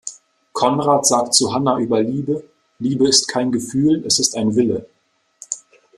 Konrad sagt zu Hanna über Liebe: “Liebe ist kein Gefühl, es ist ein Wille.